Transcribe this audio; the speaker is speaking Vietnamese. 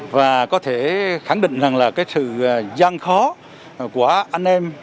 và có thể khẳng định là sự gian khó của anh em